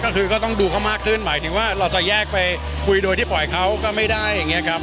ก็คือก็ต้องดูเขามากขึ้นหมายถึงว่าเราจะแยกไปคุยโดยที่ปล่อยเขาก็ไม่ได้อย่างนี้ครับ